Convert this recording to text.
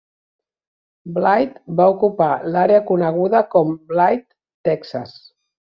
Blythe va ocupar l'àrea coneguda com Blythe, Texas.